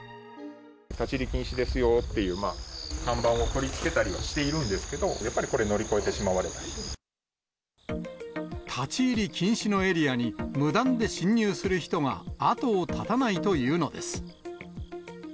立ち入り禁止ですよっていう看板を取り付けたりはしているんですけど、やっぱりこれ、乗り越立ち入り禁止のエリアに、無断で侵入する人が後を絶たないというのです。